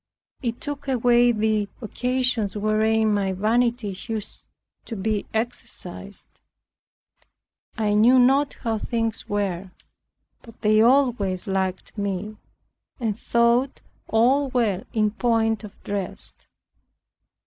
It took away the occasions wherein my vanity used to be exercised. I knew not how things were; but they always liked me, and thought all well in point of dress.